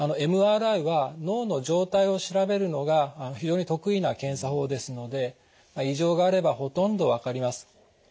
ＭＲＩは脳の状態を調べるのが非常に得意な検査法ですので異常があればほとんど分かります。